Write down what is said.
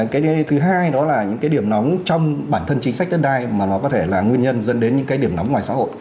cái thứ hai đó là những cái điểm nóng trong bản thân chính sách đất đai mà nó có thể là nguyên nhân dẫn đến những cái điểm nóng ngoài xã hội